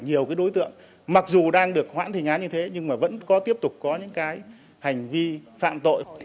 nhiều cái đối tượng mặc dù đang được hoãn thi án như thế nhưng mà vẫn có tiếp tục có những cái hành vi phạm tội